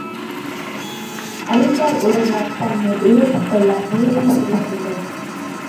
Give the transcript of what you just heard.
அழுக்காறு உடையார் தன்னை உயர்த்திக் கொள்ள முயற்சி செய்வதில்லை.